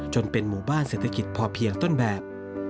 เป็นหมู่บ้านเศรษฐกิจพอเพียงต้นแบบ